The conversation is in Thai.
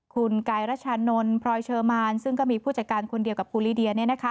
คุณกายรัชนนท์พรอยเชอร์มานซึ่งก็มีผู้จัดการคุณเดียวกับครูลีเดียเนี่ยนะคะ